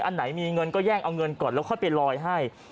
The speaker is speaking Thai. อันไหนมีเงินก็แย่งเอาเงินก่อนแล้วค่อยไปลอยให้